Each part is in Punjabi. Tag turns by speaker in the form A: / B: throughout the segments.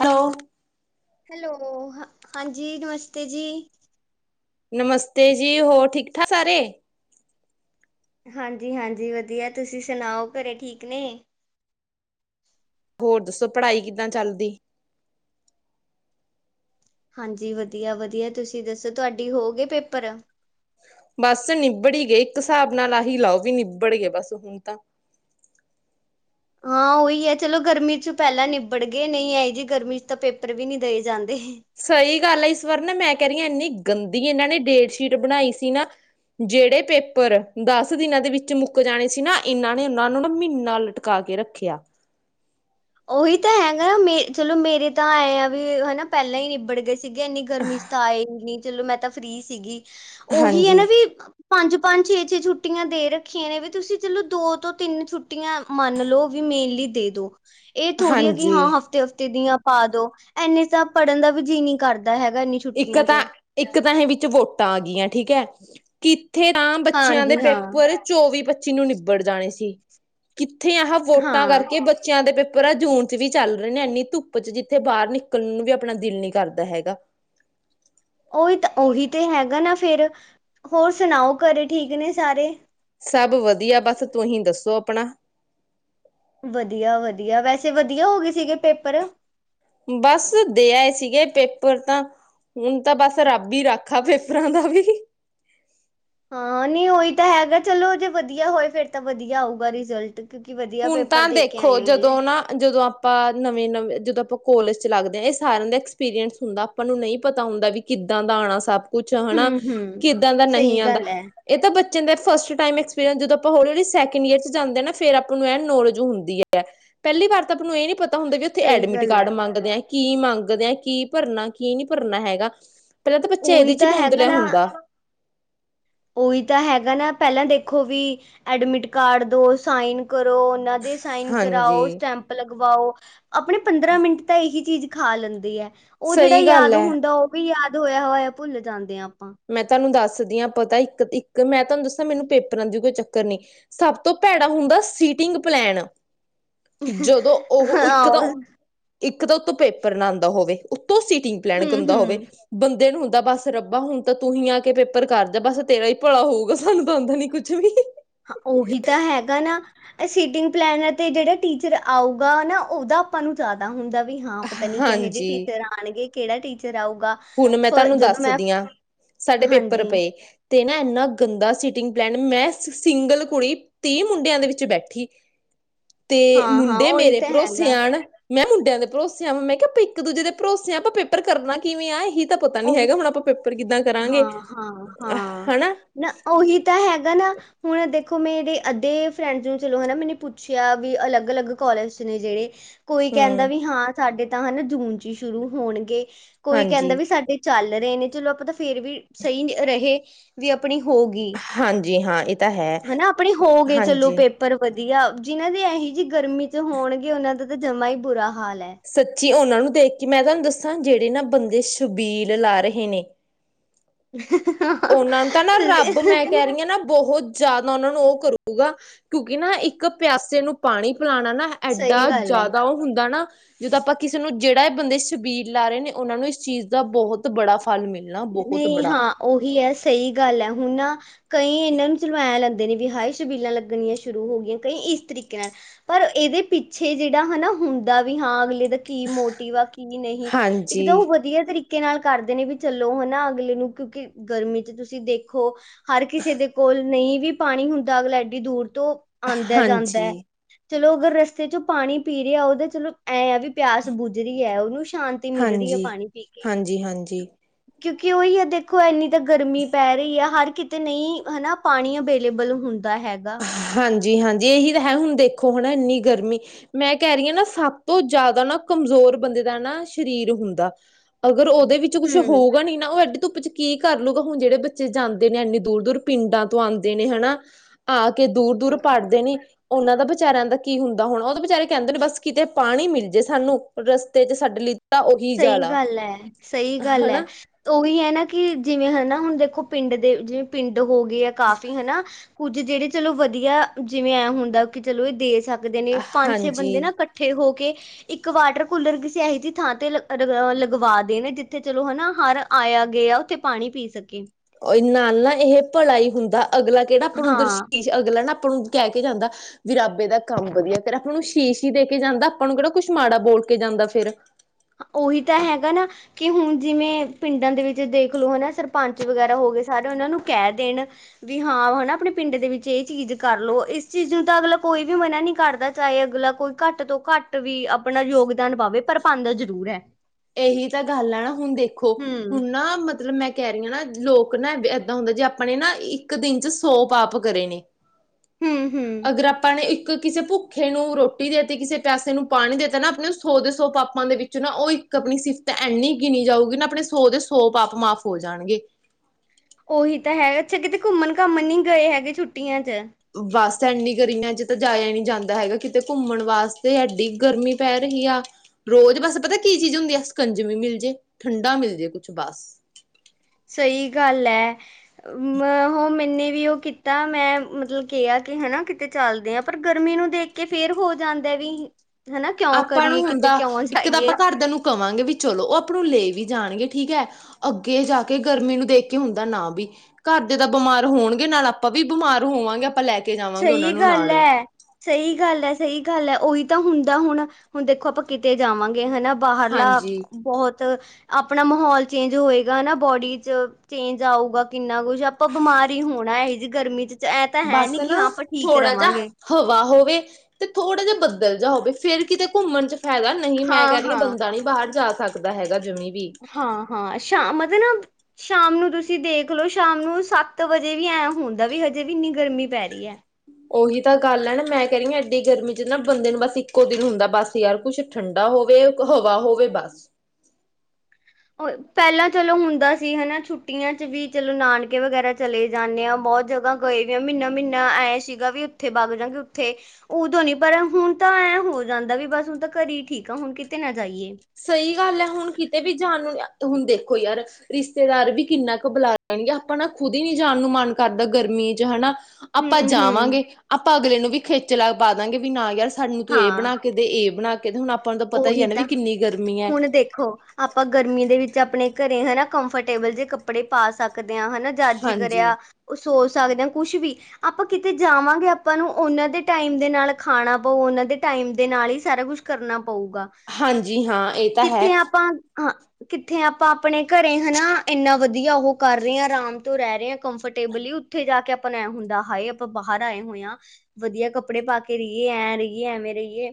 A: ਹੈਲੋ,
B: ਹੈਲੋ, ਹਾਂ ਹਾਂਜੀ ਨਮਸਤੇ ਜੀ।
A: ਨਮਸਤੇ ਜੀ, ਹੋਰ ਠੀਕ- ਠਾਕ ਸਾਰੇ।
B: ਹਾਂਜੀ- ਹਾਂਜੀ ਵਧੀਆ ਤੁਸੀਂ ਸੁਣਾਓ ਘਰੇ ਠੀਕ ਨੇ?
A: ਹੋਰ ਦੱਸੋ ਪੜ੍ਹਾਈ ਕਿੱਦਾਂ ਚੱਲਦੀ?
B: ਹਾਂਜੀ, ਵਧੀਆ- ਵਧੀਆ ਤੁਸੀਂ ਦੱਸੋ ਤੁਹਾਡੀ ਹੋ ਗੇ ਪੇਪਰ?
A: ਬਸ ਨਿਬੜ ਹੀ ਗਏ ਇੱਕ ਹਿਸਾਬ ਨਾਲ ਆਹੀ ਲਾਓ ਵੀ ਨਿਬੜ ਗਏ ਬਸ ਹੁਣ ਤਾਂ।
B: ਹਾਂ। ਕੋਹੀ ਚਲੋ ਗਰਮੀ ਚ' ਪਹਿਲਾਂ ਨਿਬੜ ਗਏ ਨਹੀਂ ਆਏ ਜੀ ਗਰਮੀ ਚ' ਤਾਂ ਪੇਪਰ ਵੀ ਨਹੀਂ ਦੇਏ ਜਾਂਦੇ।
A: ਸਹੀ ਗੱਲ ਹੈ ਇਸ ਵਾਰ ਨਾ ਮੈਂ ਕਹਿ ਰਹੀ ਹਾਂ ਇੰਨੀ ਗੰਦੀ ਇਹਨਾਂ ਨੇ ਡੇਟਸ਼ੀਟ ਬਣਾਈ ਸੀ ਨਾ। ਜਿਹੜੇ ਪੇਪਰ, ਦਸ ਦਿਨਾਂ ਦੇ ਵਿੱਚ ਮੁੱਕ ਜਾਣੇ ਸੀ ਨਾ ਇਹਨਾਂ ਨੇ ਉਹਨਾਂ ਨੂੰ ਨਾ ਮਹੀਨਾ ਲਟ ਪਕਾ ਕੇ ਰੱਖਿਆ।
B: ਉਹੀ ਤਾਂ ਹੈਗਾ ਮੇ ਚਲੋ ਮੇਰੇ ਤਾਂ ਐਏ ਆ ਵੀ ਹਨਾ ਪਹਿਲਾਂ ਹੀ ਨਿਬੜ ਗਏ ਸੀਗੇ ਇੰਨੀ ਗਰਮੀ ਚ' ਤਾਂ ਆਏ ਹੀ ਨ ਚਲੋ ਮੈਂ ਤਾਂ ਫ੍ਰੀ ਸੀਗੀ। ਉਹੀ ਹੈ
A: ਹਾਂਜੀ
B: ਨਾ ਵੀ ਪੰਜ -ਪੰਜ, ਛੇ- ਛੇ ਛੁੱਟੀਆਂ ਦੇ ਰੱਖੀਆਂ ਨੇ ਵੀ ਤੁਸੀਂ ਚਲੋ ਦੋ ਤੋਂ ਤਿੰਨ ਛੁੱਟੀਆਂ ਮੰਨ ਲੋ ਵੀ ਮੇਨਲੀ ਦੇ ਦੋ, ਇਹ ਥੋੜ੍ਹੀ ਹੈ ਕਿ ਹਾਂ
A: ਹਾਂਜੀ
B: ਹਫ਼ਤੇ- ਹਫ਼ਤੇ ਦੀਆਂ ਪਾ ਦੋ। ਇੰਨੇ ਸਬ ਪੜਨ ਦਾ ਵੀ ਜੀਅ ਨਹੀਂੀ ਕਰਦਾ ਹੈਗਾ।
A: ਇੱਕ
B: ਛੁੱਟੀਆਂ
A: ਤਾਂ,
B: 'ਚ
A: ਇੱਕ ਤਾਂ ਇਹ ਵਿੱਚ ਵੋਟਾਂ ਆ ਗਈਆਂ। ਠੀਕ ਹੈ। ਕਿੱਥੇ ਤਾਂ ਬੱਚਿਆਂ ਦੇ
B: ਹਾਂਜੀ ਹਾਂ
A: ਪੇਪਰ ਚੌਵੀ -ਪੱਚੀ ਨੂੰ ਨਿਬੜ ਜਾਣੇ ਸੀ। ਕਿੱਥੇ ਆਹ ਵੋਟਾਂ
B: ਹਾਂ
A: ਕਰਕੇ ਬੱਚਿਆਂ ਦੇ ਪੇਪਰ ਆ ਜੂਨ ਚ' ਵੀ ਚੱਲ ਰਹੇ ਨੇ ਇੰਨੀ ਧੁੱਪ ਚ' ਜਿੱਥੇ ਬਾਹਰ ਨਿਕਲ ਨੂੰ ਵੀ ਆਪਣਾ ਦਿਲ ਨੀ ਕਰਦਾ ਹੈਗਾ।
B: ਉਹੀ ਤਾਂ ਉਹੀ ਤੇ ਹੈਗਾ ਨਾ ਫੇਰ, ਹੋਰ ਸੁਣਾਓ ਘਰੇ ਠੀਕ ਨੇ ਸਾਰੇ?
A: ਸਭ ਵਧੀਆ ਬਸ ਤੁਸੀਂ ਦੱਸੋ ਆਪਣਾ?
B: ਵਧੀਆ- ਵਧੀਆ ਵੈਸੇ ਵਧੀਆ ਹੋ ਗਏ ਸੀਗੇ ਪੇਪਰ।
A: ਬਸ ਦੇਿਆ ਹੀ ਸੀਗੇ ਪੇਪਰ ਤਾਂ। ਹੁਣ ਤਾਂ ਬਸ ਰੱਬ ਹੀ ਰੱਖਾ ਪੇਪਰਾਂ ਦਾ ਵੀ।
B: ਹਾਂ, ਨਹੀਂ ਉਹੀ ਤਾਂ ਹੈਗਾ ਚਲੋ ਜੇ ਵਧੀਆ ਹੋਏ ਫੇਰ ਤਾਂ ਵਧੀਆ ਆਊਗਾ ਰਿਜ਼ਲਟ। ਕਿਉਂਕਿ ਵਧੀਆ
A: ਹੁਣ
B: ਪੇਪਰ
A: ਤਾਂ
B: ਦੇ ਕੇ
A: ਦੇਖੋ,
B: ਆਏ ਹੋ ਜੇ
A: ਜਦੋਂ ਨਾ ਜਦੋਂ ਆਪਾਂ ਨਵੇਂ ਨਵੇਂ ਜਦੋਂ ਆਪਾਂ ਕੋਲਜ 'ਚ ਲੱਗਦੇ ਹਾਂ ਇਹ ਸਾਰਿਆਂ ਦਾ ਐਕਸਪੀਰੀਅੰਸ ਹੁੰਦਾ ਆਪਾਂ ਨੂੰ ਨਹੀਂ ਪਤਾ ਹੁੰਦਾ ਵੀ ਕਿੱਦਾਂ ਦਾ ਆਉਣਾ ਸਭ ਕੁਛ ਹਨਾ
B: ਹੂੰ ਹੂੰ
A: ਕਿੱਦਾਂ ਦਾ
B: ਸਹੀ
A: ਨਹੀਂ ਆਉਂਦਾ
B: ਗੱਲ ਹੈ
A: ਇਹ ਤਾਂ ਬੱਚ ਦਾ ਫਸਟ ਟਾਈਮ ਐਕਸਪੀਰੀਅੰਸ ਜਦੋਂ ਆਪਾਂ ਹਲੀ ਹੌਲੀ ਸੈਕਡ ਈਅਰ ਚ ਜਾਂਦੇ ਨਾ ਫਿਰ ਨੋਜ ਹੁੰਦੀ ਹੈ ਪਹਿਲੀ ਵਾਰ ਤਾਂ ਆਪਾਂ ਨੂੰ ਇਹ ਨੀ ਪਤਾ ਹੁੰਦਾ ਵੀ ਉੱਥੇ
B: ਸਹੀ
A: ਐਡਮਿਟ
B: ਗੱਲ
A: ਕਾਰਡ
B: ਹੈ
A: ਮੰਗਦੇ ਆ ਕੀ ਮੰਗਦੇ ਆ ਕੀ ਭਰਨਾ ਕੀ ਨਹੀਂ ਭਰਨਾ ਹੈਗਾ ਪਹਿਲਾਂ ਤਾਂ ਬੱਚਾ
B: ਉਹੀ
A: ਇਹਦੇ ਚ
B: ਤਾਂ
A: ਬੂੰਦ
B: ਹੈਗਾ
A: ਲਿਆ
B: ਨਾ
A: ਹੁੰਦਾ
B: ਉਹੀ ਤਾਂ ਹੈਗਾ ਨਾ ਪਹਿਲਾਂ ਦੇਖੋ ਵੀ ਐਡਮਿਟ ਕਾਰਡ ਦੋ ਸਾਈਨ ਕਰੋ ਦਾਦੀ ਸਾਈਨ ਕਰਾਓ
A: ਹਾਂਜੀ
B: ਸਟੈਂਪ ਲਗਵਾਓ ਆਪਣੇ ਪੰਦਰਾਂ ਮਿੰਟ ਤਾਂ ਇਹੀ ਚੀਜ਼ ਖਾ ਲੈਂਦੀ ਹੈ ਉਹ ਜਿਹੜਾ
A: ਸਹੀ ਗੱਲ
B: ਯਾਦ
A: ਹੈ
B: ਹੁੰਦਾ ਉਹ ਵੀ ਯਾਦ ਹੋਇਆ ਹੋਇਆ ਭੁੱਲ ਜਾਂਦੇ ਹਾਂ ਆਪਾਂ
A: ਮੈਂ ਤੁਹਾਨੂੰ ਦੱਸਦੀ ਹਾਂ ਪਤਾ ਇੱਕ ਇੱਕ ਮੈਂ ਤੁਹਾਨੂੰ ਦੱਸਾਂ ਮੈਨੂੰ ਪੇਪਰਾਂ ਕੋਈ ਚੱਕਰ ਨਹੀਂ, ਸਭ ਤੋਂ ਭੈੜਾ ਹੁੰਦਾ ਸੀਟਿੰਗ ਪਲੈਨ, ਜਦੋਂ ਉਹ ਇੱਕਦਮ, ਇੱਕ ਤਾਂ ਉੱਤੋਂ ਪੇਪਰ ਨਾ ਆਉਂਦਾ ਹੋਵੇ ਉੱਤੋਂ ਸੀਟਿੰਗ ਪਲੈਨ
B: ਹੂੰ
A: ਗੰਦਾ
B: ਹੂੰ
A: ਹੋਵੇ। ਬੰਦੇ ਨੂੰ ਹੁੰਦਾ ਬਸ ਰੱਬਾ ਹੂੰ, ਤੂੰ ਹੀ ਆ ਕੇ ਪੇਪਰ ਕਰ ਜਾ ਬਸ ਤੇਰਾ ਹੀ ਭਲਾ ਹੋਊਗਾ ਸਾਨੂੰ ਤਾਂ ਆਉਦਾ ਨੀ ਕੁਛ ਵੀ,
B: ਉਹੀ ਤਾਂ ਹੈਗਾ ਨਾ ਇਹ ਸੀਟਿੰਗ, ਪਲੈਨ ਤੇ ਜਿਹੜਾ ਟੀਚਰ ਆਊਗਾ ਨਾ ਉਹਦਾ ਆਪਾਂ ਨੂੰ ਜ਼ਿਆਦਾ ਹੁੰਦਾ ਵੀ ਹਾਂ ਪਤਾ ਨੀ ਕਿਹੇ ਜਿਹੇ
A: ਹਾਂਜੀ
B: ਟੀਚਰ ਆਉਣਗੇ ਕਿਹੜਾ ਟੀਚਰ ਆਊਗਾ,
A: ਹੁਣ ਮੈਂ
B: ਫ
A: ਤੁਹਾਨੂੰ
B: ਜਦੋਂ ਮੈਂ
A: ਦੱਸਦੀ ਆ ਸਾਡੇ ਪੇਪਰ
B: ਹਾਂਜੀ
A: ਪਏ, ਤੇ ਨਾ ਇੰਨਾ ਗੰਦਾ ਸੀਟਿੰਗ ਪਲੈਨ ਮੈਂ ਸਿੰਗਲ ਕੁੜੀ ਤੀਹ ਮੁੰਡਿਆਂ ਦੇ ਵਿੱਚ ਬੈਠੀ,
B: [inaudible]
A: ਤੇ
B: ਹਾਂ
A: ਮੁੰਡੇ
B: ਉਹੀ
A: ਮੇਰੇ
B: ਤਾਂ
A: ਭਰੋਸੇ
B: ਹੈਗਾ
A: ਆਣ, ਮੈਂ ਮੁੰਡਿਆਂ ਦੇ ਭਰੋਸਿਆਂ ਆਵਾ ਮੈਂ ਕਿਹਾ ਆਪਾਂ ਇੱਕ ਦੂਜੇ ਦੇ ਭਰੋਸੇ ਆ ਆਪਾਂ ਪੇਪਰ ਕਰਨਾ ਕਿਵੇਂ ਆ ਇਹੀ, ਤਾਂ ਪਤਾ ਨੀ
B: ਉਹ
A: ਹੈਗਾ ਹੁਣ ਆਪਾਂ ਪੇਪਰ ਕਿਦਾਂ ਕਰਾਂਗੇ
B: ਹਾਂ ਹਾਂ ਹਾਂ
A: ਹਨਾ,
B: ਨਾ ਉਹੀ ਤਾਂ ਹੈਗਾ ਨਾ, ਹੁਣ ਦੇਖੋ ਮੇਰੇ ਅੱਧੇ ਫਰੈਂਡਸ ਨੂੰ ਚਲੋ ਹਨਾ ਮੈਂ ਪੁੱਛਿਆ ਵੀ ਅਲੱਗ ਅਲੱਗ ਕੋਲਜ ਨੇ ਜਿਹੜੇ, ਕੋਈ ਕਹਿੰਦਾ
A: ਹੂੰ
B: ਵੀ ਹਾਂ ਸਾਡੇ ਤਾਂ ਹਨਾ ਜੂਨ ਚ ਹੀ ਸ਼ੁਰੂ ਹੋਣਗੇ ਕੋਈ ਕਹਿੰਦਾ
A: ਹਾਂਜੀ
B: ਵੀ ਸਾ ਇਹ ਚੱਲ ਰਹੇ ਨੇ ਚਲੋ ਆਪਾਂ ਤਾਂ ਫਿਰ ਵੀ ਸਹੀ ਰਹੇ। ਵੀ ਆਪਣੀ ਹੋਗੀ
A: ਹਾਂਜੀ ਹਾਂ ਇਹ ਤਾਂ ਹੈ
B: ਹਨਾ ਆਪਣੀ ਹੋਗੇ ਚਲੋ
A: ਹਾਂਜੀ
B: ਪੇ ਪਰ ਵਧੀਆ ਜਿਹਨਾਂ ਦੇ ਇਹੀ ਜਿਹੀ ਗਰਮੀ ਚ ਹੋਣਗੇ ਉਹਨਾਂ ਦਾ ਤਾਂ ਜਮਾਂ ਹੀ ਬੁਰਾ ਹਾਲ ਹੈ।
A: ਸੱਚੀ ਉਹਨਾਂ ਨੂੰ ਦੇਖ ਕੇ ਮੈਂ ਤੁਹਾਨੂੰ ਦੱਸਾਂ ਜਿਹੜੇ ਨਾ ਬੰਦੇ ਸ਼ਬੀਲ ਲਾ ਰਹੇ ਨੇ
B: ਹਾਂ।
A: ਉਹਨਾਂ ਨੂੰ ਤਾਂ ਨਾ ਰੱਬ ਮੈਂ ਕਹਿ ਰਹੀ ਹਾਂ ਨਾ ਬਹੁਤ। ਜ਼ਿਆਦਾ ਉਹਨਾਂ ਨੂੰ ਉਹ ਕਰੂਗਾ ਕਿਉਂਕਿ ਨਾ ਇੱਕ ਪਿਆਸੇ ਨੂੰ ਪਾਣੀ ਪਿਲਾਉਣਾ ਨਾ
B: ਸਹੀ
A: ਇਡਾ
B: ਗੱਲ ਹੈ
A: ਜ਼ਿਆਦਾ ਉਹ ਹੁੰਦਾ ਨਾ ਜਦੋਂ ਆਪਾਂ ਕਿਸੇ ਨੂੰ ਜਿਹੜਾ ਬੰਦੇ ਸਬੀਰ ਲਾ ਰਹੇ ਨੇ ਉਹਨਾਂ ਨੂੰ ਇਸ ਚੀਜ਼ ਦਾ ਬਹੁਤ ਬੜਾ ਫਲ ਮਿਲ
B: ਨਹੀਂ ਹਾਂ ਉਹੀ ਹੈ ਸਹੀ ਗੱਲ ਹੈ ਹੁਣ ਨਾ ਕਈ ਇਹਨਾਂ ਨੂੰ ਚਲਵਾਇਆ ਲੈਂਦੇ ਨੇ ਵੀ ਹਾਏ ਸ਼ਬੀਲਾਂ ਲੱਗਣੀਆਂ ਸ਼ੁਰੂ ਹੋ ਗਈਆਂ ਕਈ ਇਸ ਤਰੀਕੇ ਨਾਲ ਪਰ ਇਹਦੇ ਪਿੱਛੇ ਜਿਹੜਾ ਹਨਾ ਹੁੰਦਾ ਵੀ ਹਾਂ ਅਗਲੇ ਦਾ ਕੀ ਮੋਟਿਵ ਆ ਕੀ ਨਹੀਂ ਇੱਕ
A: ਹਾਂਜੀ
B: ਤਾਂ ਉਹ ਵਧੀਆ ਤਰੀਕੇ ਨਾਲ ਕਰਦੇ ਨੇ ਵੀ ਚੱਲ। ਚਲੋ ਹਨਾ ਅਗਲੇ ਨੂੰ ਕਿਉਂਕਿ ਗਰਮੀ ਚ ਤੁਸੀਂ ਦੇਖੋ। ਹਰ ਕਿਸੇ ਦੇ ਕੋਲ ਨਹੀਂ ਵੀ ਪਾਣੀ ਹੁੰਦਾ ਅਗਲਾ ਐਡੀ ਦੂਰ ਤੋਂ ਆਉਂਦਾ ਜਾਂਦਾ।
A: ਹਾਂਜੀ
B: ਚਲੋ ਅਗਰ ਰਸਤੇ ਚੋਂ ਪਾਣੀ ਪੀ ਰਿਹਾ ਉਹਦਾ ਚਲੋ ਐਂ ਆ ਵੀ ਪਿਆਸ ਬੁਝ ਰਹੀ ਹੈ ਉਹਨੂੰ ਸ਼ਾਂ ਤੇ ਮਿਲ ਰਹੀ ਐ ਪਾਣੀ ਪੀ ਕੇ।
A: ਜੀ ਹਾਂਜੀ।
B: ਕਿਉਂਕਿ ਉਹੀ ਐ ਦੇਖੋ ਇੰਨੀ ਤਾਂ ਗਰਮੀ ਪੈ ਰਹੀ ਹੈ ਹਰ ਕਿ ਤੇ ਨਹੀਂ ਹਨਾ ਪਾਣੀ ਅਬਵੇਲੇ ਹੁੰਦਾ ਹੈਗਾ।
A: ਹਾਂਜੀ-ਹਾਂਜੀ, ਇਹੀ ਤੇ ਹੈ ਹੁਣ, ਦੇਖੋ ਹੁਣ ਇੰਨੀ ਗਰਮੀ ਮੈਂ ਇਹ ਕਹਿ ਰਹੀ ਆ ਨਾ, ਸਭ ਤੋਂ ਜ਼ਿਆਦਾ ਨਾ ਕਮਜ਼ੋਰ ਬੰਦੇ ਦਾ ਨਾ ਸਰੀਰ ਹੁੰਦਾ ਅਗਰ ਉਹਦੇ ਵਿੱਚ ਕੁੱਛ
B: ਹੂੰ।
A: ਹੋਊਗਾ ਨੀ ਨਾ, ਉਹ ਧੁੱਪ 'ਚ ਕੀ ਕਰਲੂਗਾ। ਹੁਣ ਜਿਹੜੇ ਬੱਚੇ ਜਾਂਦੇ ਨੇ ਇੰਨੇ ਦੂਰ-ਦੂਰ ਪਿੰਡਾਂ ਤੋਂ ਆਂਦੇ ਨੇ, ਹੈਨਾ। ਆ ਕੇ ਦੂਰੋ-ਦੂਰੋ ਪੜ੍ਹਦੇ ਨੇ ਉਹਨਾਂ ਦਾ ਬਿਚਾਰਿਆਂ ਦਾ ਕੀ ਹੁੰਦਾ ਹੁਣਾ। ਉਹ ਤੇ ਵਿਚਾਰੇ ਕਹਿੰਦੇ ਨੇ ਬਸ ਕਿਤੇ ਪਾਣੀ ਮਿਲਜੇ ਸਾਨੂੰ, ਰਸਤੇ 'ਚ ਸਾਡੇ ਲਈ ਤਾਂ ਉਹੀ
B: ਸਹੀ
A: ਜਾਲਾ
B: ਗੱਲ ਐ, ਸਹੀ ਗੱਲ ਐ।
A: ਹਨਾ
B: ਉਹੀ ਏ ਨਾ ਕਿ ਜਿਵੇਂ ਹਨਾ, ਹੁਣ ਦੇਖੋ ਪਿੰਡ ਦੇ ਜਿਵੇਂ ਪਿੰਡ ਹੋਗੇ ਆ ਕਾਫ਼ੀ ਹਨਾ ਕੁ ਤੇ ਜਿਹੜੇ ਚਲੋ ਵਧੀਆ, ਜਿਵੇਂ ਐ ਹੁੰਦਾ ਕਿ ਚਲੋ ਇਹ ਦੇ ਸਕਦੇ ਨੇ, ਪੰਜ-ਛੇ ਬੰਦੇ
A: ਹਾਂਜੀ।
B: ਨਾ ਕੱਠੇ ਹੋ ਕੇ ਇੱਕ ਵਾਟਰ-ਕੂਲਰ ਕਿਸੇ ਐਹੀ ਜੀ ਥਾਂ ਤੇ ਲਗਵਾ ਦੇਣ। ਜਿੱਥੇ ਚਲੋ ਹਨਾ, ਹਰ ਆਇਆ-ਗਿਆ ਆ ਉੱਥੇ ਪਾਣੀ ਪੀ ਸਕੇ।
A: ਉਦੇ ਨਾਲ ਨਾ ਇਹ ਭਲਾ ਈ ਹੁੰਦਾ। ਅਗਲਾ ਕਿਹੜਾ ਆਪਾਂ ਨੂੰ
B: ਹਾਂ।
A: ਦਰਸ਼ੀਸ਼, ਅਗਲਾ ਨਾ ਆਪਾਂ ਨੂੰ ਕਹਿ ਕੇ ਜਾਂਦਾ ਵੀ ਰੱਬ ਇਹਦਾ ਕੰਮ ਵਧੀਆ ਕਰੇ। ਆਪਾਂ ਨੂੰ ਸ਼ੀਸ਼ ਈ ਦੇ ਕੇ ਜਾਂਦਾ। ਆਪਾਂ ਨੂੰ ਕਿਹੜਾ ਕੁੱਛ ਮਾੜਾ ਬੋਲ ਕੇ ਜਾਂਦਾ ਫਿਰ।
B: ਉਹੀ ਤਾਂ ਹੈਗਾ ਨਾ ਕਿ ਹੁਣ ਜਿਵੇਂ, ਪਿੰਡਾਂ ਦੇ ਵਿੱਚ ਦੇਖ ਲੋ ਹਨਾ, ਸਰਪੰਚ ਵਗੈਰਾ ਹੋਗੇ। ਸਾਰੇ ਉਹਨਾਂ ਨੂੰ ਕਹਿ ਦੇਣ ਵੀ ਹਾਂ ਹਨਾ, ਆਪਣੇ ਪਿੰਡ ਦੇ ਵਿੱਚ ਇਹ ਚੀਜ਼ ਕਰਲੋ। ਇਸ ਚੀਜ਼ ਨੂੰ ਤਾਂ ਅਗਲਾ ਕੋਈ ਵੀ ਮਨ੍ਹਾਂ ਨੀ ਕਰਦਾ, ਚਾਹੇ ਅਗਲਾ ਕੋਈ ਘੱਟ ਤੋਂ ਘੱਟ ਵੀ ਆਪਣਾ ਯੋਗਦਾਨ ਪਾਵੇ, ਪਰ ਪਾਂਦਾ ਜ਼ਰੂਰ ਐ।
A: ਇਹੀ ਤਾਂ ਗੱਲ ਆ ਨਾ। ਹੁਣ ਦੇਖੋ
B: ਹੂੰ
A: ਹੁਣ ਨਾ, ਮਤਲਬ ਮੈਂ ਕਹਿ ਰੀ ਆ ਨਾ, ਲੋਕ ਨਾ ਏਦਾਂ ਹੁੰਦਾ ਜੇ, ਆਪਣੇ ਨਾ ਇੱਕ ਦਿਨ 'ਚ ਸੌ ਪਾਪ ਕਰੇ ਨੇ।
B: ਹੂੰ ਹੂੰ
A: ਅਗਰ ਆਪ ਆਪਾਂ ਨੇ ਇੱਕ ਕਿਸੇ ਭੁੱਖੇ ਨੂੰ ਰੋਟੀ ਦੇਤੀ, ਕਿਸੇ ਪਿਆਸੇ ਨੂੰ ਪਾਣੀ ਦੇਤਾ ਨਾ। ਆਪਣੇ ਸੌ ਦੇ ਸੌ ਪਾਪਾਂ ਦੇ ਵਿੱਚੋਂ ਨਾ ਉਹ ਇੱਕ ਕੇ ਆਪਣੀ ਸਿਫ਼ਤ ਐਨੀ ਗਿਣੀ ਜਾਊਗੀ ਨਾ, ਆਪਣੇ ਸੌ ਦੇ ਸੌ ਪਾਪ ਮਾਫ਼ ਹੋ ਜਾਣਗੇ।
B: ਉਹੀ ਤਾਂ ਹੈ। ਅੱਛਾ, ਕਿਤੇ ਘੁੰਮਣ-ਘੰਮਣ ਨੀ ਗਏ ਹੈਗੇ, ਛੁੱਟੀਆਂ 'ਚ।
A: ਬੱਸ ਐਨੀ ਗਰਮੀਆਂ 'ਚ ਤੇ ਜਾਇਆ ਈ ਨੀ ਜਾਂਦਾ ਹੈਗਾ ਕਿਤੇ ਘੁੰਮਣ ਵਾਸਤੇ, ਐਡੀ ਗਰਮੀ ਪੈ ਰਹੀ ਆ। ਰੋਜ਼ ਬਸ ਪਤਾ ਕੀ ਚੀਜ਼ ਹੁੰਦੀ ਆ। ਸਕੰਜ਼ਵੀ ਮਿਲਜੇ, ਠੰਢਾ ਮਿਲਜੇ ਕੁੱਛ ਬਸ।
B: ਸਹੀ ਗੱਲ ਐ। ਮੈਂ ਹੋ ਮੈਨੇ ਵੀ ਉਹ ਕੀਤਾ, ਮੈਂ ਮਤਲਬ ਕਿਹਾ ਕਿ ਹਨਾ ਕਿਤੇ ਚਲਦੇ ਆ। ਪਰ ਗਰਮੀ ਨੂੰ ਦੇਖ ਕੇ ਫੇਰ ਹੋ ਜਾਂਦਾ ਵੀ, ਹਨਾ ਕਿਉਂ
A: ਆਪਾਂ ਨੂੰ
B: ਕਰੀਏ, ਕਿਤੇ
A: ਹੁੰਦਾ
B: ਕਿਉਂ
A: ਇੱਕ ਤਾਂ ਆਪਾਂ
B: ਜਾਈਏ।
A: ਘਰਦਿਆਂ ਨੂੰ ਕਵਾਂਗੇ ਵੀ ਚਲੋ, ਉਹ ਆਪਾਂ ਨੂੰ ਲੇ ਵੀ ਜਾਣਗੇ ਠੀਕ ਐ ਅੱਗੇ ਜਾ ਕੇ ਗਰਮੀ ਨੂੰ ਦੇਖ ਕੇ ਹੁੰਦਾ, ਨਾ ਬੀ ਘਰ ਦੇ ਤਾਂ ਬਿਮਾਰ ਹੋਣਗੇ, ਨਾਲ ਆਪਾਂ ਵੀ ਬਿਮਾਰ ਹੋਵਾਂਗੇ। ਆਪਾਂ ਲੈ ਕੇ ਜਾਵਾਂਗੇ ਉਹਨਾਂ
B: ਸਹੀ
A: ਨੂੰ
B: ਗੱਲ
A: ਨਾਲ
B: ਐ। ਸਹੀ ਗੱਲ ਐ, ਸਹੀ ਗੱਲ ਐ। ਉਹੀ ਤਾਂ ਹੁੰਦਾ ਹੁਣ-ਹੁਣ ਦੇਖੋ ਆਪਾਂ ਕਿਤੇ ਜਾਵਾਂਗੇ, ਹਨਾ ਬਾਹਰਲਾ
A: ਹਾਂਜੀ।
B: ਬਹੁਤ ਆਪਣਾ ਮਾਹੌਲ ਚੇਂਜ ਹੋਏਗਾ ਨਾ, ਬੋਡੀ'ਚ ਚੇਂਜ ਆਊਗਾ, ਕਿੰਨਾ ਕੁੱਛ। ਆਪਾਂ ਬਿਮਾਰ ਈ ਹੋਣਾ ਇਹ ਜੀ ਗਰਮੀ 'ਚ। ਐਹ ਤਾਂ ਹੈ
A: ਬਸ
B: ਨੀ ਕਿ ਹਾਂ,
A: ਨਾ
B: ਆਪਾਂ ਠੀਕ
A: ਥੋੜਾ ਜਾ
B: ਰਵਾਂਗੇ।
A: ਹਵਾ ਹੋਵੇ ਤੇ ਥੋੜ੍ਹਾ ਜਿਹਾ ਬੱਦਲ ਜਾ ਹੋਵੇ, ਫੇਰ ਕਿਤੇ ਘੁੰਮਣ 'ਚ ਫਾਇਦਾ ਤੇ ਨੀ, ਮੈਂ
B: ਹਾਂ
A: ਕਹਿ ਰਹੀ ਆ,
B: ਹਾਂ
A: ਬੰਦਾ ਨੀ ਬਾਹਰ ਜਾ ਸਕਦਾ ਹੈਗਾ, ਜਮੀਂ ਵੀ।
B: ਹਾਂ-ਹਾਂ, ਸ਼ਾਮ ਮਤਲਬ ਸ਼ਾਮ ਨੂੰ ਤੁਸੀਂ ਦੇਖ ਲੋ, ਸ਼ਾਮ ਨੂੰ ਸੱਤ ਵਜੇ ਵੀ ਐਂ ਹੁੰਦਾ ਵੀ, ਹਜੇ ਵੀ ਇੰਨੀ ਗਰਮੀ ਪੈ ਰਹੀ ਐ।
A: ਉਹੀ ਤਾਂ ਗੱਲ ਐ ਨਾ। ਮੈਂ ਕਹਿ ਰਹੀ ਆ ਐਡੀ ਗਰਮੀ 'ਚ ਨਾ, ਬੰਦੇ ਨੂੰ ਬਸ ਇੱਕੋ ਦਿਨ ਹੁੰਦਾ, ਬਸ ਯਾਰ ਕੁੱਛ ਠੰਡਾ ਹੋਵੇ, ਇੱਕ ਹਵਾ ਹੋਵੇ, ਬਸ।
B: ਪਹਿਲਾਂ ਚਲੋ ਹੁੰਦਾ ਸੀ ਹਨਾ, ਛੁੱਟੀਆਂ 'ਚ ਵੀ ਚਲੋ ਨਾਨਕੇ ਵਗੈਰਾ ਚਲੇ ਜਾਂਨੇ ਆ, ਬਹੁਤ ਜਗ੍ਹਾ ਗਏ ਵੀ ਆ। ਮਹੀਨਾ-ਮਹੀਨਾ ਐਂ ਸੀਗਾ ਵੀ ਉੱਥੇ ਬਗਜਾ ਗੇ, ਉੱਥੇ ਉਦੋਂ ਨੀ, ਪਰ ਹੁਣ ਤਾਂ ਐਂ ਹੋ ਜਾਂਦਾ ਵੀ, ਬਸ ਹੁਣ ਤਾਂ ਘਰੇ ਈ ਠੀਕ ਆ, ਹੁਣ ਕਿਤੇ ਨਾ ਜਾਈਏ।
A: ਸਹੀ ਗੱਲ ਐ, ਹੁਣ ਕਿਤੇ ਵੀ ਜਾਣ ਨੂੰ, ਹੁਣ ਦੇਖੋ ਯਾਰ ਰਿਸ਼ਤੇਦਾਰ ਵੀ ਕਿੰਨਾ ਕੁ ਬੁਲਾ ਲੈਣਗੇ, ਆਪਾਂ ਨਾ ਖੁਦ ਹੀ ਨੀ ਜਾਣ ਨੂੰ ਮਨ ਕਰਦਾ ਗਰਮੀ'ਚ ਹਨਾ। ਆਪਾਂ
B: ਹੂੰ-ਹੂੰ
A: ਜਾਵਾਂਗੇ, ਆਪਾਂ ਅਗਲੇ ਨੂੰ ਵੀ ਖੇਚਲਾ ਚ ਪਾ ਦਾਂਗੇ ਵੀ ਨਾ ਯਾਰ, ਸਾਨੂੰ ਤੂੰ ਇਹ
B: ਹਾਂ
A: ਬਣਾ। ਕਦੇ ਇਹ ਬਣਾ ਕੇ ਦੋ, ਹੁਣ ਆਪਾਂ ਨੂੰ ਤਾਂ ਪਤਾ ਈ ਆ
B: ਉਹੀ
A: ਨਾ ਵੀ
B: ਤਾਂ
A: ਕਿੰਨੀ ਗਰਮੀ ਹੈ
B: ਹੁਣ ਦੇਖੋ, ਆਪਾਂ ਗਰਮੀ ਦੇ ਵਿੱਚ ਆਪਣੇ ਘਰੇ ਹਨਾ, ਕੰਫਰਟੇਬਲ ਜੇ ਕੱਪੜੇ ਪਾ ਸਕ ਸਕਦੇ ਆਂ ਹਨਾ, ਜਦ ਜੀ
A: ਹਾਂਜੀ
B: ਕਰਿਆ ਉਹ ਸੋਚ ਸਕਦੇ ਹਾਂ ਕੁਛ ਵੀ। ਆਪਾਂ ਕਿਤੇ ਜਾਵਾਂਗੇ, ਆਪਾਂ ਨੂੰ ਉਹਨਾਂ ਦੇ ਟਾਈਮ ਦੇ ਨਾਲ ਖਾਣਾ ਪਓ, ਉਹਨਾ ਦੇ ਟਾਈਮ ਦੇ ਨਾਲ ਹੀ ਸਾਰਾ ਕੁਛ ਕਰਨਾ ਪਊਗਾ,
A: ਹਾਂਜੀ ਹਾਂ ਇਹ ਤਾਂ ਹੈ
B: ਕਿੱਥੇ ਆਪਾਂ ਹ ਕਿੱਥੇ ਆਪਾਂ ਆਪਣੇ ਘਰੇ ਹਨਾ, ਇੰਨਾ ਵਧੀਆ ਉਹ ਕਰ ਰਹੇ ਹਾਂ, ਆਰਾਮ ਤੋਂ ਰਹਿ ਰਹੇ ਹਾਂ, ਕੰਫਰਟੇਬਲੀ ਉੱਥੇ ਜਾ ਕੇ ਆਪਾਂ ਨੇ ਹੁੰਦਾ, ਹਾਏ ਆਪਾਂ ਬਾਹਰ ਆਏ ਹੋਏ ਹਾਂ। ਵਧੀਆ ਕੱਪੜੇ ਪਾ ਕੇ ਰਹੀਏ, ਐਂ ਰਹੀਏ, ਐਵੇਂ ਰਹੀਏ।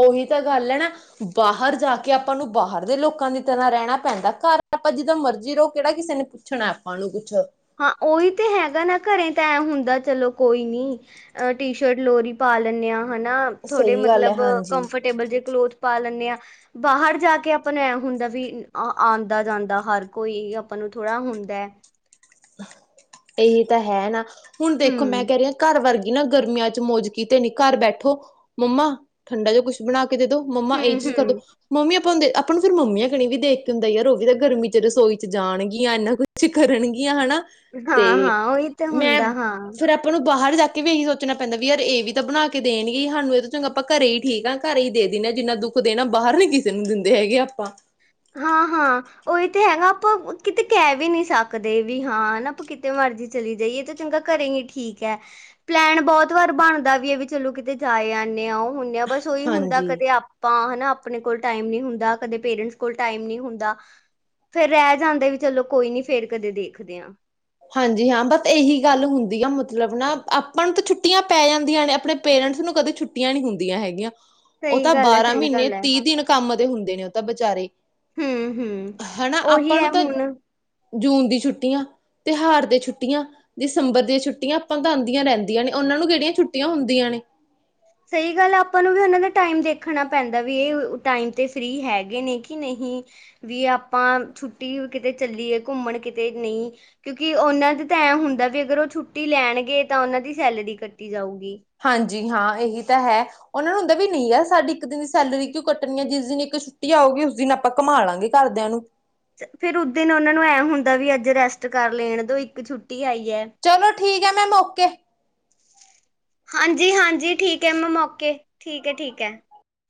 A: ਉਹੀ ਤਾਂ ਗੱਲ ਐ ਨਾ ਬਾਹਰ ਜਾ ਕੇ ਆਪਾਂ ਨੂੰ ਬਾਹਰ ਦੇ ਲੋਕਾਂ ਦੀ ਤਰ੍ਹਾਂ ਰਹਿਣਾ ਪੈਂਦਾ, ਘਰ ਆਪਾਂ ਜਿੱਦਾਂ ਮਰਜ਼ੀ ਰਹੋ, ਕਿਹੜਾ ਕਿਸੇ ਨੇ ਪੁੱਛਣਾ ਆਪਾਂ ਨੂੰ ਕੁੱਛ।
B: ਹਾਂ, ਉਹੀ ਤੇ ਹੈਗਾ ਨਾ, ਘਰੇ ਤਾਂ ਐ ਹੁੰਦਾ, ਚਲੋ ਕੋਈ ਨੀ ਅ ਟੀ-ਸ਼ਰਟ ਲੋਰ ਹੀ ਪਾ ਲੈਂਦੇ ਹਾਂ, ਹਨਾ ਥੋੜੇ
A: ਸਹੀ ਗੱਲ ਹੈ
B: ਮਤਲਬ
A: ਹਾਂਜੀ
B: ਕੰਫਰਟ ਟੇਬਲ ਜੇ ਕਲੋਥ ਪਾ ਲੈਂਦੇ ਆਂ। ਬਾਹਰ ਜਾ ਕੇ ਆਪਾਂ ਨੂੰ ਐ ਹੁੰਦਾ ਵੀ, ਆਉਂਦਾ-ਜਾਂਦਾ ਹਰ ਕੋਈ ਆਪਾਂ ਨੂੰ ਥੋੜ੍ਹਾ ਹੁੰਦਾ
A: ਇਹੀ ਤਾਂ ਹੈ ਨਾ, ਹੁਣ ਦੇਖੋ ਮੈਂ
B: ਹੂੰ
A: ਕਹਿ ਰਹੀ ਆ ਘਰ ਵਰਗੀ ਨਾ ਗਰਮੀਆਂ'ਚ ਮੌਜ ਕੀਤੇ ਨੀ, ਘਰ ਬੈਠੋ, ਮੰਮਾ ਠੰਡਾ ਜਿਹਾ ਕੁਛ ਬਣਾ ਕੇ ਦੇ ਦੋ। ਮੰਮਾ ਇਹ
B: ਹੂੰ
A: ਚੀਜ਼ ਕਰਦੋ
B: ਹੂੰ
A: ਮੰਮੀ ਆਪਾਂ ਹ, ਆਪਾਂ ਨੂੰ ਫਿਰ ਮੰਮੀਆਂ ਕਣੀ ਵੀ ਦੇਖ ਕੇ ਹੁੰਦਾ ਯਾਰ, ਉਹ ਵੀ ਤਾਂ ਗਰਮੀ'ਚ ਰਸੋਈ'ਚ ਜਾਣਗੀਆਂ, ਇਨਾ ਕੁਛ ਕਰਨਗੇ। ਕੀ ਹਨਾ।
B: ਹਾਂ-ਹਾਂ, ਉਹੀ ਤੇ
A: ਮੈਂ
B: ਹੁੰਦਾ ਹਾਂ।
A: ਫਿਰ ਆਪਾਂ ਨੂੰ ਬਾਹਰ ਜਾ ਕੇ ਵੀ ਇਹੀ ਸੋਚਣਾ ਪੈਂਦਾ ਵੀ ਯਾਰ ਇਹ ਵੀ, ਤਾਂ ਬਣਾ ਕੇ ਦੇਣਗੇ ਸਾਨੂੰ। ਇਹ ਤਾਂ ਚੰਗਾ, ਆਪਾਂ ਘਰੇ ਹੀ ਠੀਕ ਆਂ। ਘਰ ਹੀ ਦੇ ਦਿੰਦੇ ਆ, ਜਿੰਨਾ ਦੁੱਖ ਦੇਣਾ, ਬਾਹਰ ਨੀ ਕਿਸੇ ਨੂੰ ਦਿੰਦੇ ਹੈਗੇ ਆਪਾਂ।
B: ਹਾਂ-ਹਾਂ। ਉਹੀ ਤੇ ਹੈ ਨਾ, ਆਪਾਂ ਕਿਤੇ ਕਹਿ ਵੀ ਨੀ ਸਕਦੇ ਵੀ ਹਾਂ, ਆਪਾਂ ਕਿਤੇ ਮਰਜ਼ੀ ਚਲੇ ਜਾਈਏ ਤੇ। ਚੰਗਾ ਘਰੇ ਹੀ ਠੀਕ ਹੈ, ਪਲੈਨ ਬਹੁਤ ਵਾਰ ਬਣਦਾ ਵੀ ਐ ਵੀ ਚਲੋ, ਕਿਤੇ ਜਾ ਏ ਆਣੇ ਆ ਉਹ ਹੁੰਦੇ ਆ, ਬਸ ਉਹੀ ਹੁੰਦਾ।
A: ਹਾਂਜੀ
B: ਕਦੇ ਆਪਾਂ ਹਨਾ ਆਪਣੇ ਕੋਲ ਟਾਈਮ ਨਹੀਂ ਹੁੰਦਾ, ਕਦੇ ਪੇਰੈਂਟਸ ਕੋਲ ਟਾਈਮ ਨੀ ਹੁੰਦਾ, ਫੇਰ ਰਹਿ ਜਾਂਦੇ ਵੀ ਚਲੋ ਕੋਈ ਨੀ ਫੇਰ ਕਦੇ ਦੇਖਦੇ ਆਂ।
A: ਹਾਂਜੀ ਹਾਂ, ਬਸ ਇਹੀ ਗੱਲ ਹੁੰਦੀ ਆ ਮਤਲਬ ਨਾ, ਆਪਾਂ ਨੂੰ ਤਾਂ ਛੁੱਟੀਆਂ ਪੈ ਜਾਂਦੀਆਂ ਨੇ ਆਪਣੇ। ਪੇਰੈਂਟਸ ਨੂੰ ਕਦੇ ਛੁੱਟੀਆਂ ਨੀ ਹੁੰਦੀਆਂ ਹੈਗੀਆਂ, ਉਹ
B: ਸਹੀ
A: ਤਾਂ
B: ਗੱਲ ਹੈ
A: ਬਾਰਾਂ
B: ਸਹੀ
A: ਮਹੀਨੇ
B: ਗੱਲ ਹੈ
A: ਤੀਹ ਦਿਨ ਕੰਮ ਤੇ ਹੁੰਦੇ ਨੇ, ਉਹ ਤਾਂ ਬੇਚਾਰੇ
B: ਹੂੰ ਹੂੰ, ਉਹੀ ਐ
A: ਤਾਂ
B: ਹੁਣ।
A: ਜੂਨ ਦੀ ਛੁੱਟੀਆਂ, ਤਿਉਹਾਰ ਤੇ ਛੁੱਟੀਆਂ ਦਸੰਬਰ ਦੀਆਂ ਛੁੱਟੀਆਂ ਤਾਂ ਆਪਾ ਨੂੰ ਤਾਂ ਆਦੀਆਂ ਰਹਿੰਦੀਆਂ ਨੇ ਉਹਨਾਂ ਨੂੰ ਕਿਹੜੀਆਂ ਛੁੱਟੀਆਂ ਹੁੰਦੀਆਂ ਨੇ।
B: ਸਹੀ ਗੱਲ ਆ ਆਪਾਂ ਨੂੰ ਵੀ ਉਹਨਾਂ ਦਾ ਟਾਈਮ ਦੇਖਣਾ ਪੈਂਦਾ ਵੀ ਇਹ ਅ ਟਾਈਮ ਤੇ ਫ੍ਰਰੀ ਹੈਗੇ ਨੇ ਕਿ ਨਹੀਂ ਵੀ ਆਪਾਂ ਛੁੱਟੀ ਐ ਕਿਤੇ ਚੱਲੀਏ ਘੁੰਮਣ ਕਿਤੇ ਨਈ ਕਿਉਂਕਿ ਉਹਨਾਂ ਦਾ ਤਾਂ ਐਂ ਹੁੰਦਾ ਵੀ ਅਗਰ ਉਹ ਛੁੱਟੀ ਲੈਣਗੇ ਤਾਂ ਉਹਨਾਂ ਦੀ ਸੈਲਰੀ ਕੱਟੀ ਜਾਊਗੀ।
A: ਹਾਂਜੀ ਹਾਂ ਇਹੀ ਤਾਂ ਹੈ ਉਹਨਾ ਨੂੰ ਹੁੰਦਾ ਵੀ ਨਈ ਯਰ ਸਾਡੀ ਇੱਕ ਦਿਨ ਦੀ ਸੈਲਰੀ ਕਿਉਂ ਕੱਟਣੀ ਐ ਜਿਸ ਦਿਨ ਇੱਕ ਛੁੱਟੀ ਆਉਗੀ ਉਸ ਦਿਨ ਆਪ ਆਪਾ ਘੁੰਮਾਲਾਗੇ ਘਰਦਿਆਂ ਨੂੰ।
B: ਫੇਰ ਓਅ ਦਿਨ ਉਹਨਾ ਨੂੰ ਐ ਹੁੰਦਾ ਵੀ ਅੱਜ ਰੈਸਟ ਕਰ ਲੇਣ ਦੋ ਇੱਕ ਛੁੱਟੀ ਆਈ ਐ।
A: ਚਲੋ ਠੀਕ ਐ, ਮੈਮ ਓਕੇ।
B: ਹਾਂਜੀ -ਹਾਂਜੀ ਠੀਕ ਐ ਮੈਮ ਓਕੇ, ਠੀਕ ਐ -ਠੀਕ ਐ।